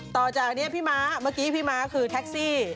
ต่อจากนี้พี่ม้าเมื่อกี้พี่ม้าคือแท็กซี่